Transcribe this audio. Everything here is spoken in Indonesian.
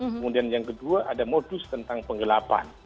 kemudian yang kedua ada modus tentang penggelapan